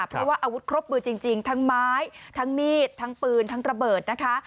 เพราะว่าอาวุธครบมือจริงทั้งไม้ทั้งมีดทั้งปืนทั้งระเบิดนะคะ